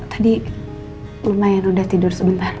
tadi lumayan udah tidur sebentar